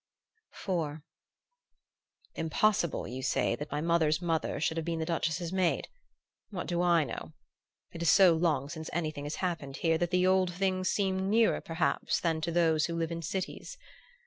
IV "Impossible, you say, that my mother's mother should have been the Duchess's maid? What do I know? It is so long since anything has happened here that the old things seem nearer, perhaps, than to those who live in cities....